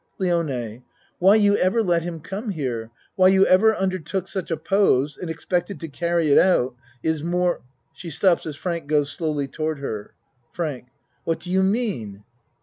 LIONE Why you ever let him come here why you ever undertook such a pose and expected to carry it out is more (She stops as Frank goes slowly toward her.) FRANK What do you mean